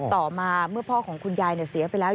ต่อมาเมื่อพ่อของคุณยายเสียไปแล้ว